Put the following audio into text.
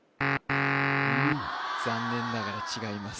残念ながら違います